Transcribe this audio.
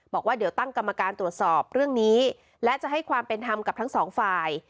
บอกว่าเดี๋ยวตั้งกรรมการตรวจสอบเรื่องนี้และจะให้ความเป็นธรรมกับทั้งสองฝ่าย